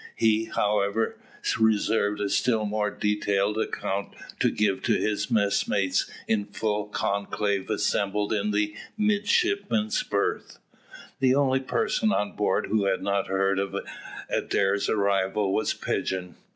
He, however, reserved a still more detailed account to give to his messmates in full conclave assembled in the midshipmen's berth. The only person on board who had not heard of Adair's arrival was Pigeon.